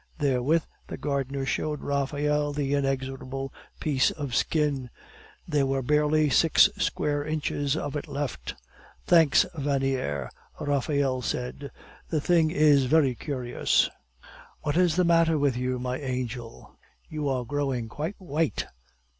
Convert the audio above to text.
Therewith the gardener showed Raphael the inexorable piece of skin; there were barely six square inches of it left. "Thanks, Vaniere," Raphael said. "The thing is very curious." "What is the matter with you, my angel; you are growing quite white!"